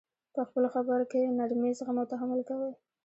په خپلو خبر کي نرمي، زغم او تحمل کوئ!